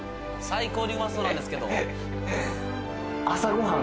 最高にうまそうなんですけどははは